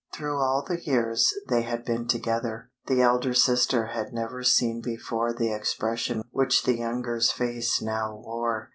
Through all the years they had been together, the elder sister had never seen before the expression which the younger's face now wore.